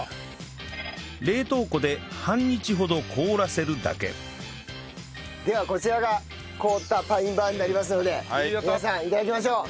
冷凍庫で半日ほど凍らせるだけではこちらが凍ったパインバーになりますので皆さん頂きましょう。